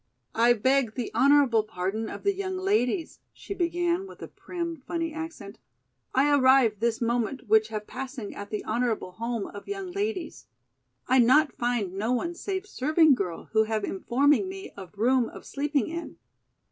"I beg the honorable pardon of the young ladies," she began with a prim, funny accent. "I arrive this moment which have passing at the honorable home of young ladies. I not find no one save serving girl who have informing me of room of sleeping in.